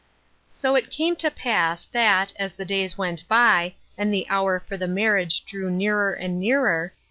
So it came to pass that, as the days went by, and the hour for the marriage drew nearer and nearer.